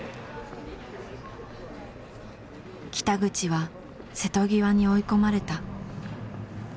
北口は瀬戸際に追い込まれた。